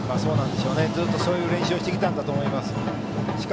ずっとそういう練習をしてきたんだと思います。